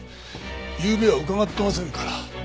ゆうべは伺ってませんから。